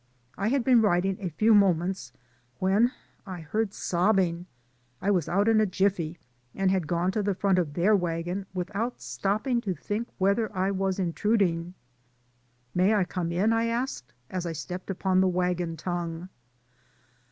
I had been writing a few moments when I heard sobbing. I was out in a jiffy, and had gone to the front of their wagon without 26 DAYS ON THE ROAD. stopping to think whether I was intruding. "May I come in?" I asked, as I stepped upon the wagon tongue.